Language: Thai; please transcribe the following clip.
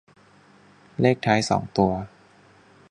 เลขท้ายสองตัว